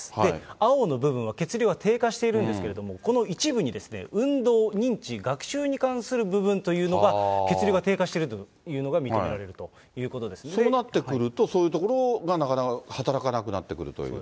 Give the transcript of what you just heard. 青の部分は、血流が低下しているんですけれども、この一部に運動、認知、学習に関する部分というのが、血流が低下しているというのが認めそうなってくると、そういうところがなかなか働かなくなってくるという。